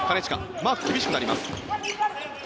マーク、厳しくなります。